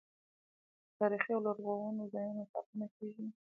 د تاریخي او لرغونو ځایونو ساتنه کیږي.